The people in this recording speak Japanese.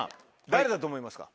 誰だと思いますか？